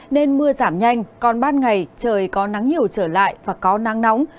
nên mưa giảm nhanh còn ban ngày trời có nắng nhiều trở lại và có nắng nóng